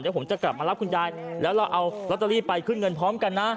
เดี๋ยวผมจะกลับมารับคุณยายแล้วเราเอาลอตเตอรี่ไปขึ้นเงินพร้อมกันนะ